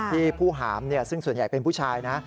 ผู้หามซึ่งส่วนใหญ่เป็นผู้ชายนะ